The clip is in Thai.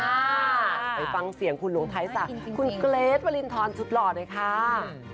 ไปฟังเสียงคุณหลวงไทซาคุณเกรฟลินทรชุดหลอดเลยค่า